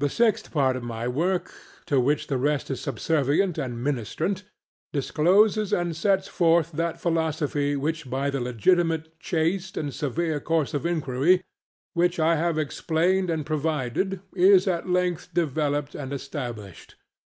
The sixth part of my work (to which the rest is subservient and ministrant) discloses and sets forth that philosophy which by the legitimate, chaste, and severe course of inquiry which I have explained and provided is at length developed and established.